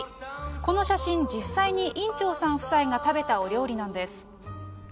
この写真、実際にいんちょーさん夫妻が食べたお料理なんです。